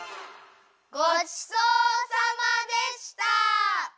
ごちそうさまでした！